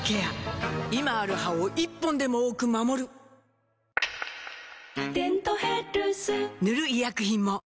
今ある歯を１本でも多く守る「デントヘルス」塗る医薬品も